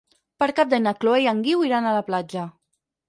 Per Cap d'Any na Chloé i en Guiu iran a la platja.